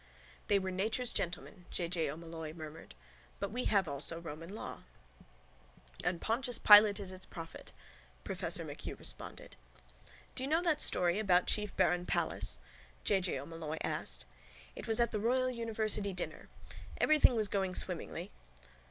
—They were nature's gentlemen, J. J. O'Molloy murmured. But we have also Roman law. —And Pontius Pilate is its prophet, professor MacHugh responded. —Do you know that story about chief baron Palles? J. J. O'Molloy asked. It was at the royal university dinner. Everything was going swimmingly